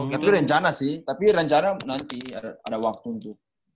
tapi rencana sih tapi rencana nanti ada waktu untuk